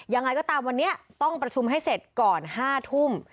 ยังไงก็ตามวันนี้ต้องประชุมให้เสร็จก่อน๕ทุ่ม